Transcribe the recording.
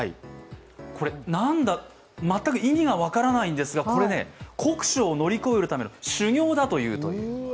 全く意味が分からないんですが、これ、酷暑を乗り越えるための修業だと。